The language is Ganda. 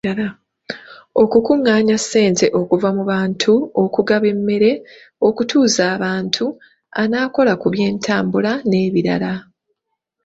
Okukuŋŋaanya ssente okuva mu bantu, okugaba emmere, okutuuza abantu, anaakola ku by’entambula n’ebirala.